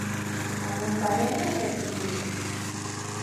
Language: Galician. Apuntamentos de ciclismo.